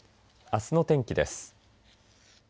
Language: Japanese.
あすの天気です。